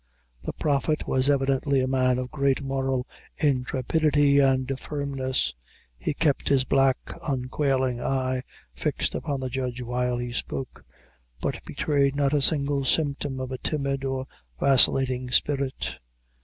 The Prophet was evidently a man of great moral intrepidity and firmness. He kept his black, unquailing eye fixed upon the judge while he spoke, but betrayed not a single symptom of a timid or vacillating spirit.